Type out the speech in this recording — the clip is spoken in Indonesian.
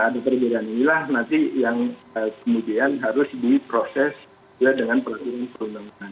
nah perbedaan inilah nanti yang kemudian harus diproses dengan perlakuan perundangan